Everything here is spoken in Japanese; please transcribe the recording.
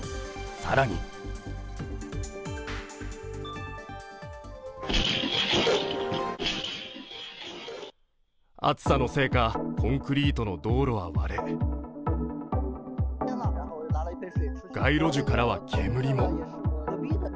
更に暑さのせいかコンクリートの道路は割れ街路樹からは煙も。